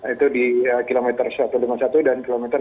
itu di kilometer satu ratus lima puluh satu dan kilometer tiga puluh